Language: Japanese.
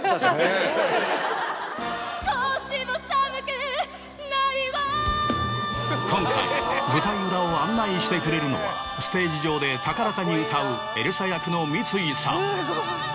少しも寒くないわ今回舞台裏を案内してくれるのはステージ上で高らかに歌うエルサ役の三井さん。